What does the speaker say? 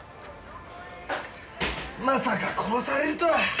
まさか殺されるとは。